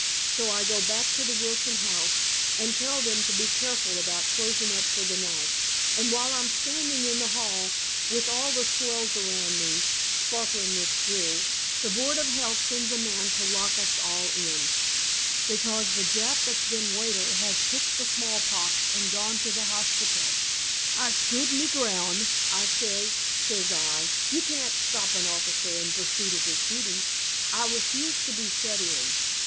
So I go back to the Wilson house, and tell them to be careful about closin up fer the night, and while I'm standin in the hall, with all the swells around me, sparklin with jewels, the board of health sends a man to lock us all in, because the Jap thats been waiter has took the smallpox and gone to the hospitle. I stood me ground. I sez, sez I, you cant shtop an officer in pursute of his duty. I rafuse to be shut in.